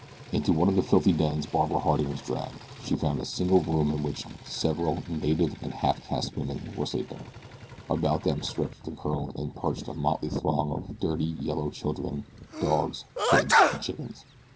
Into one of the filthy dens Barbara Harding was dragged. She found a single room in which several native and half caste women were sleeping, about them stretched and curled and perched a motley throng of dirty yellow children, dogs, pigs, and chickens.